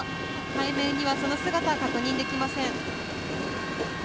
海面にはその姿は確認できません。